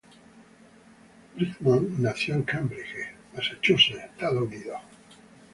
Bridgman nació en Cambridge, Massachusetts, Estados Unidos.